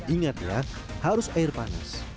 ingat ya harus air panas